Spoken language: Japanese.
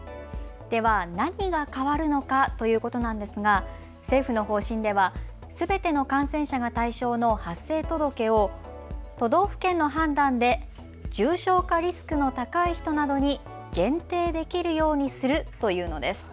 では何が変わるのかということなんですが政府の方針ではすべての感染者が対象の発生届を都道府県の判断で重症化リスクの高い人などに限定できるようにするというのです。